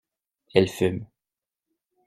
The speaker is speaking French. Elle fume.